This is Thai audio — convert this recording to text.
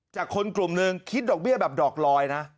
จากคนกลุ่มนึงคิดดอกเบี้ยแบบดอกลอยนะ